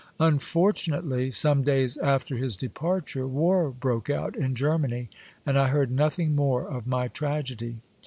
Unfortunately, some days after his departure, war broke out in Germany, and I heard nothing more of my tragedy.